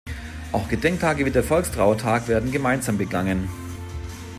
Auch Gedenktage wie der Volkstrauertag werden gemeinsam begangen.